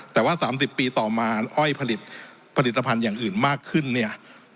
แต่ว่า๓๐ปีต่อมาอ้อยผลิตภัณฑ์อย่างอื่นมากขึ้นเนี่ย